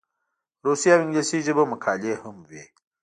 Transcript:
روسي او انګلیسي ژبو مقالې هم وې.